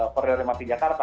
korea remati jakarta